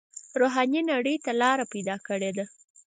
روحاني نړۍ ته لاره پیدا کړې ده.